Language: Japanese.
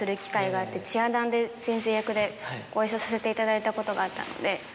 『チア☆ダン』で先生役でご一緒させていただいたことがあったので。